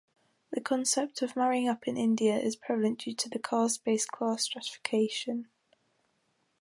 The concept of marrying up in India is prevalent due to caste-based class stratification.